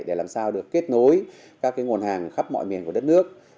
để làm sao được kết nối các nguồn hàng khắp mọi miền của đất nước